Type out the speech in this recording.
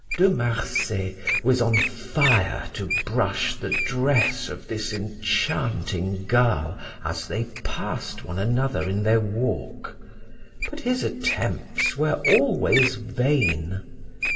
De Marsay was on fire to brush the dress of this enchanting girl as they passed one another in their walk; but his attempts were always vain.